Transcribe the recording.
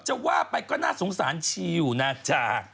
จะว่าไปก็น่าสงสารชีอยู่นะจ๊ะ